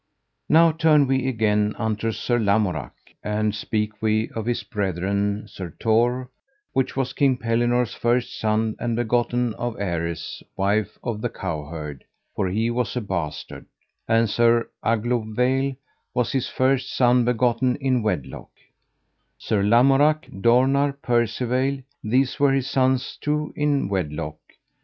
Now turn we again unto Sir Lamorak, and speak we of his brethren, Sir Tor, which was King Pellinore's first son and begotten of Aryes, wife of the cowherd, for he was a bastard; and Sir Aglovale was his first son begotten in wedlock; Sir Lamorak, Dornar, Percivale, these were his sons too in wedlock.